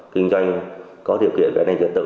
kinh doanh có điều kiện